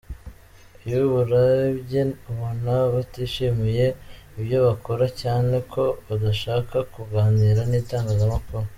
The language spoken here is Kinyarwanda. Iyo ubarebye ubona batishimiye ibyo bakora, cyane ko badashaka kuganira n’itangazamakuru.